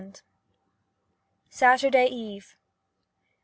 ] Saturday Eve.